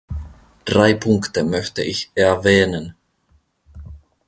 Drei Punkte möchte ich erwähnen.